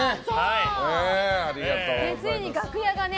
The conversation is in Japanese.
ついに楽屋がね